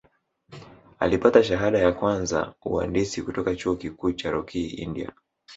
Alipata shahada ya kwanza uhandisi kutoka Chuo Kikuu cha Rokii India